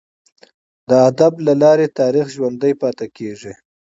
د ادب له لاري تاریخ ژوندي پاته کیږي.